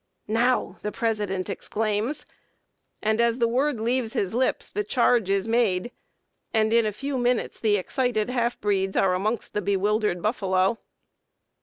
'Now!' the president exclaims; and as the word leaves his lips the charge is made, and in a few minutes the excited half breeds are amongst the bewildered buffalo."